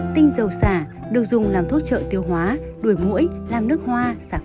tinh dầu sả được dùng làm thuốc trợ tiêu hóa đuổi mũi làm nước hoa